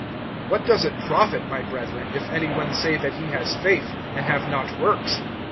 (14)What does it profit, my brethren, if any one say that he has faith, and have not works?